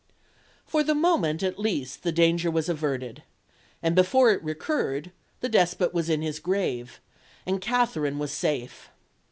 For the moment, at least, the danger was averted, and before it recurred the despot was in his grave, and Katherine was safe.